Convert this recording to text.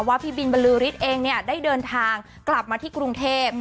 พี่บินบรือฤทธิ์เองเนี่ยได้เดินทางกลับมาที่กรุงเทพ